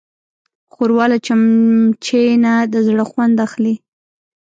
ښوروا له چمچۍ نه د زړه خوند اخلي.